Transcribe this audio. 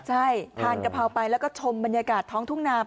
ใช่ทานกะเพราไปแล้วก็ชมบรรยากาศท้องทุ่งนาม